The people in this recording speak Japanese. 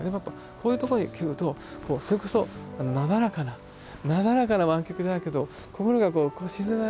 こういうとこに来るとそれこそなだらかななだらかな湾曲じゃないけど心がこう静められるっていうんですかね